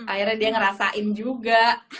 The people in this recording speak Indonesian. akhirnya dia ngerasain juga